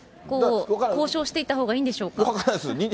交渉していったほうがいいんでし分かんないです。